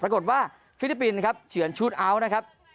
ปรากฏว่าฟิลิปปินส์ครับเฉือนชูดเอาท์นะครับ